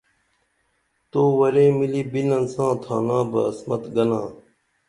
تو ورے ملی بِنن ساں تھانا بہ عصمت گنا